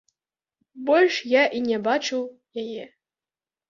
Больш я і не бачыў яе.